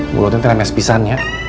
mulutnya ternyata sepisan ya